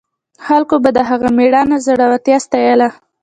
خلکو به د هغوی مېړانه او زړورتیا ستایله.